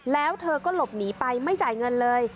แล้วเธอก็หลบหนีไปไม่จ่ายเงินเลย